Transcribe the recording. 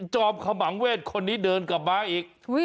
จอมขมังเวศคนนี้เดินกลับมาอีก